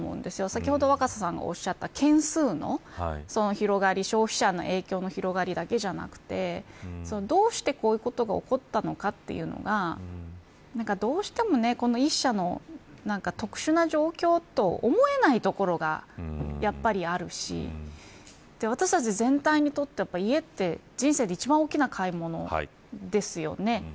先ほど若狭さんがおっしゃった件数の広がり消費者への影響の広がりだけじゃなくてどうして、こういうことが起こったのかというのがどうしてもこの１社の特殊な状況と思えないところがやっぱりあるし私たち全体にとって家って人生で一番大きな買い物ですよね。